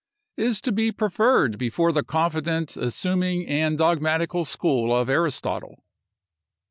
—is to be preferred before the confident, assuming, and dogmatical school of Aristotle.